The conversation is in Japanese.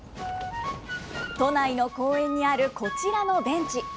都内の公園にあるこちらのベンチ。